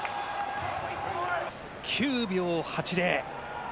９秒８０。